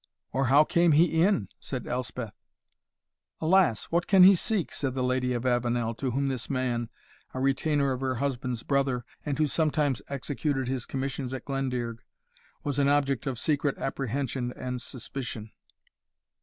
"Or how came he in?" said Elspeth. "Alas! what can he seek?" said the Lady of Avenel, to whom this man, a retainer of her husband's brother, and who sometimes executed his commissions at Glendearg, was an object of secret apprehension and suspicion.